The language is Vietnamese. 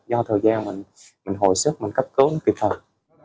do thời gian mình hồi sức mình cấp cứu nó kịp thời